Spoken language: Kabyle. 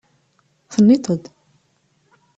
Tenniḍ-d.